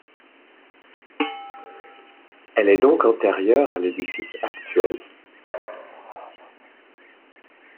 Elle est donc antérieure à l'édifice actuel.